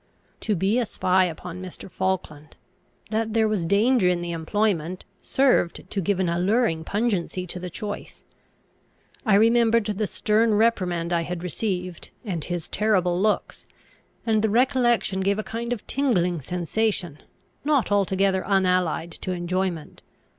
To be a spy upon Mr. Falkland! That there was danger in the employment, served to give an alluring pungency to the choice. I remembered the stern reprimand I had received, and his terrible looks; and the recollection gave a kind of tingling sensation, not altogether unallied to enjoyment.